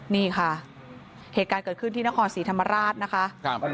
นี่ค่ะเหตุการณ์เกิดขึ้นที่นครศรีธรรมราชนะคะ